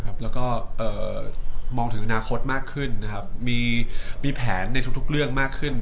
แล้วก็มองถึงอนาคตมากขึ้นมีแผนในทุกเรื่องมากขึ้น